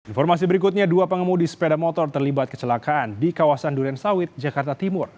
informasi berikutnya dua pengemudi sepeda motor terlibat kecelakaan di kawasan duren sawit jakarta timur